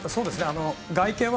外見は。